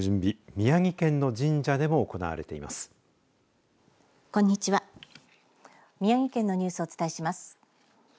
宮城県のニュースをお伝えします。